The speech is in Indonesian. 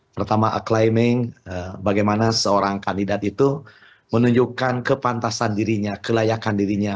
pertama acliming bagaimana seorang kandidat itu menunjukkan kepantasan dirinya kelayakan dirinya